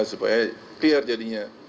supaya clear jadinya